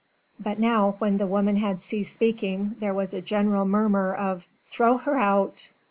But now when the woman had ceased speaking there was a general murmur of: "Throw her out!